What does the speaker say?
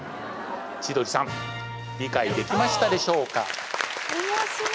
千鳥さん理解できましたでしょうか？